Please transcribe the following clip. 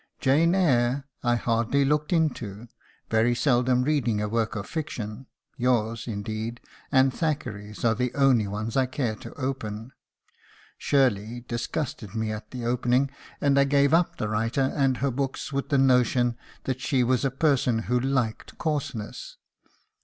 'Jane Eyre' I hardly looked into, very seldom reading a work of fiction yours, indeed, and Thackeray's are the only ones I care to open. 'Shirley' disgusted me at the opening, and I gave up the writer and her books with the notion that she was a person who liked coarseness.